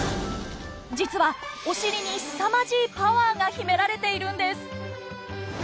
実はおしりにすさまじいパワーが秘められているんです。